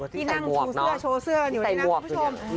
ที่นั่งชูเสื้อโชว์เสื้อกันอยู่นี่นะคุณผู้ชม